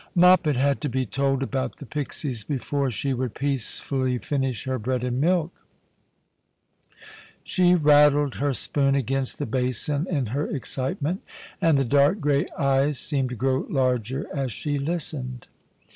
Thp: Christmas Hirelings. 165 Moppet had to be told about the pixies before she would peacefully finish her bread and milk. She rattled her spoon against the basin in her excitement, and the dark grey eyes seemed to grow larger as she listened.